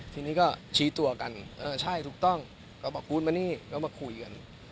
ทีนี้ก็ชี้ตัวกันเออใช่ถูกต้องก็บอกกูมานี่ก็มาคุยกัน